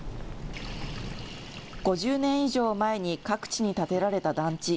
５０年以上前に各地に建てられた団地。